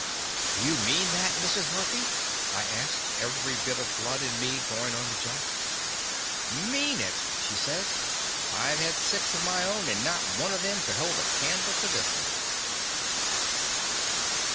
"Do you mean that, Mrs. Mur phy*?" I asked, every bit of blood in me goin' on the jump. "Mean it?" she says; "I 've had six of my own, and not one of them could hold a candle to this one."